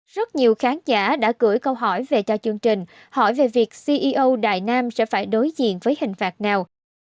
rất nhiều khán giả đã gửi câu hỏi về cho chương trình hỏi về việc ceo đài nam sẽ phải đối diện với hình phạt nào